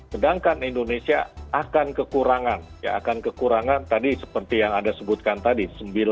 sedangkan indonesia akan kekurangan akan kekurangan tadi seperti yang anda sebutkan tadi